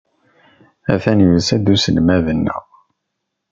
Atan yusa-d uselmad-nneɣ.